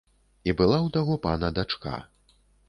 І была ў таго пана дачка.